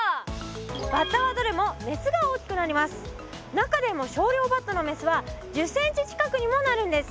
中でもショウリョウバッタのメスは１０ｃｍ近くにもなるんです。